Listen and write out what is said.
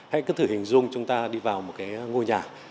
hãy cứ thử hình dung chúng ta đi vào một cái ngôi nhà